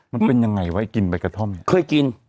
มันเป็นยังไงไว้กินใบกระท่อมเนี่ยเคยกิน